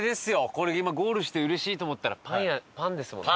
これ今ゴールしてうれしいと思ったらパン屋パンですもんね。